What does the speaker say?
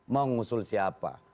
mau ngusul siapa